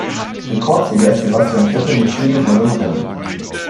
Rekordsieger ist Sebastian Vettel mit vier gewonnenen Rennen.